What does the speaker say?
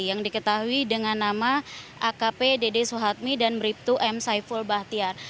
yang diketahui dengan nama akp dedesuhatmi dan mriptu m saiful bahtiar